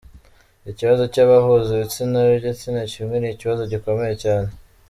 "Ikibazo cy'abahuza ibitsina b'igitsina kimwe ni ikibazo gikomeye cyane".